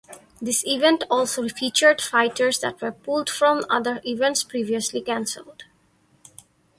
This event also featured fighters that were pulled from other events previously cancelled.